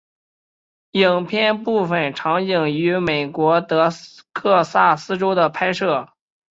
影片部分场景于美国德克萨斯州的拍摄。